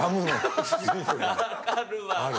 分かるわ。